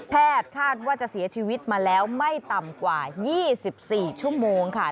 คาดว่าจะเสียชีวิตมาแล้วไม่ต่ำกว่า๒๔ชั่วโมงค่ะ